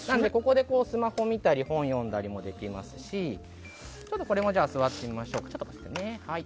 スマホ見たり本読んだりもできますしこれも座ってみましょう。